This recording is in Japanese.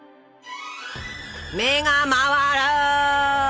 目が回る。